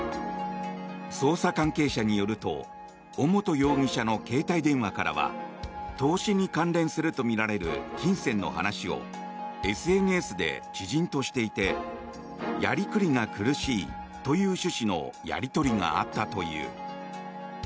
捜査関係者によると尾本容疑者の携帯電話からは投資に関連するとみられる金銭の話をＳＮＳで知人としていてやりくりが苦しいという趣旨のやり取りがあったという。